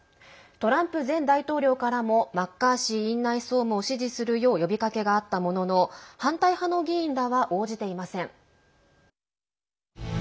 トランプ前大統領からもマッカーシー院内総務を支持するよう呼びかけがあったものの反対派の議員らは応じていません。